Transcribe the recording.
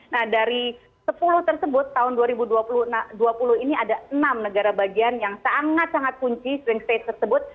nah dari sepuluh tersebut tahun dua ribu dua puluh ini ada enam negara bagian yang sangat sangat kunci swing state tersebut